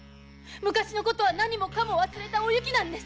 昔のことは何もかも忘れたおゆきです！